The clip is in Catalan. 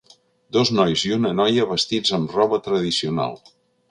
Dos nois i una noia vestits amb roba tradicional.